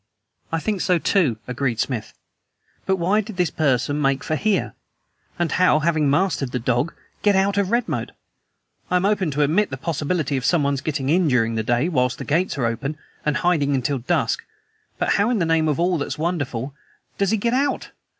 "I think so, too," agreed Smith. "But why did this person make for here? And how, having mastered the dog, get out of Redmoat? I am open to admit the possibility of someone's getting in during the day whilst the gates are open, and hiding until dusk. But how in the name of all that's wonderful does he GET OUT?